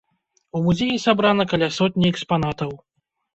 У музеі сабрана каля сотні экспанатаў.